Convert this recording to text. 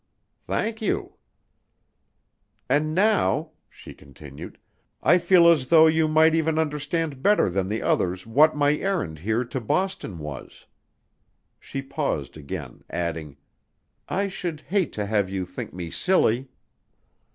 "Thank you." "And now," she continued, "I feel as though you might even understand better than the others what my errand here to Boston was." She paused again, adding, "I should hate to have you think me silly."